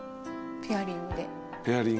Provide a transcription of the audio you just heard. ペアリングで。